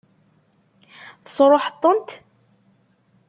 Tesṛuḥeḍ-tent?